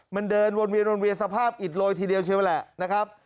มันเดินวนเวียนสภาพอิดลอยทีเดียวใช่ไหมแหละนะครับ